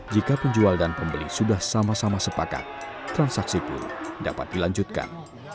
jika penjual dan pembeli sudah sama sama sepakat transaksi pun dapat dilanjutkan